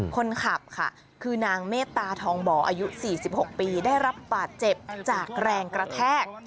คนขับค่ะคือนางเมตตาทองบ่ออายุ๔๖ปีได้รับบาดเจ็บจากแรงกระแทก